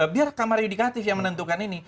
biar kamar yudikatif yang menentukan ini